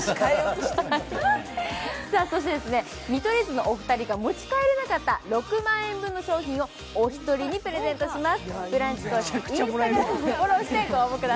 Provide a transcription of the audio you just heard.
見取り図のお二人が持ち帰れなかった６万円分の商品をお一人にプレゼントします。